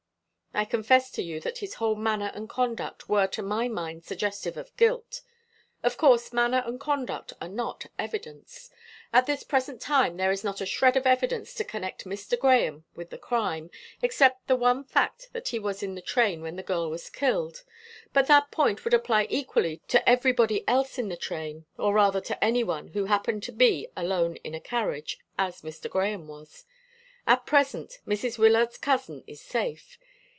"I confess to you that his whole manner and conduct were to my mind suggestive of guilt. Of course, manner and conduct are not evidence. At this present time there is not a shred of evidence to connect Mr. Grahame with the crime, except the one fact that he was in the train when the girl was killed; but that point would apply equally to everybody else in the train, or rather to any one who happened to be alone in a carriage as Mr. Grahame was. At present Mrs. Wyllard's cousin is safe.